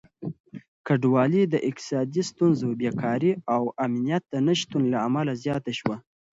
کډوالي د اقتصادي ستونزو، بېکاري او امنيت د نشتون له امله زياته شوه.